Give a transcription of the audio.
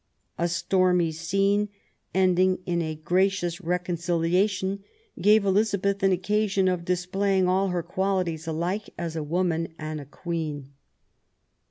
A stormy scene, ending in a gracious reconciliation, gave Elizabeth an occasion ' of displaying all her qualities alike as a woman and a Queen.